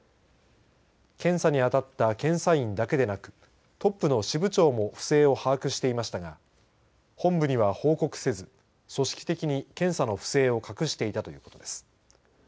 検査に当たった検査員だけでなくトップの支部長も不正を把握していましたが本部には報告せず組織的に検査の不正を隠していたということです。